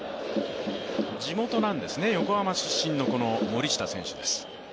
地元なんですね、この横浜市出身の森下です。